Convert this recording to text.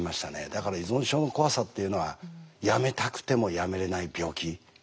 だから依存症の怖さっていうのはやめたくてもやめれない病気。